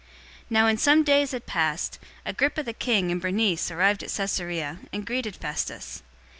025:013 Now when some days had passed, Agrippa the King and Bernice arrived at Caesarea, and greeted Festus.